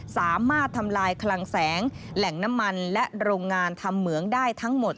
สามารถทำลายคลังแสงแหล่งน้ำมันและโรงงานทำเหมืองได้ทั้งหมด